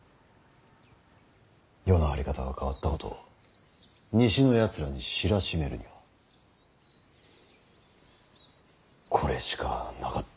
世の在り方が変わったことを西のやつらに知らしめるにはこれしかなかった。